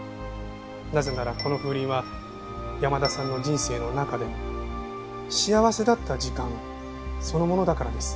なぜならこの風鈴は山田さんの人生の中で幸せだった時間そのものだからです。